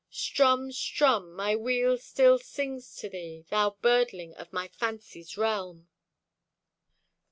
Strumm, strumm! My wheel still sings to thee, Thou birdling of my fancy's realm!